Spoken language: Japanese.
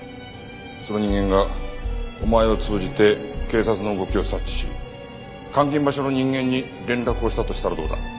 その人間がお前を通じて警察の動きを察知し監禁場所の人間に連絡をしたとしたらどうだ？